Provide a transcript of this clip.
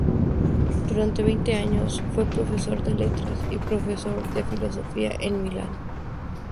Durante veinte años fue profesor de letras y profesor de filosofía en Milán.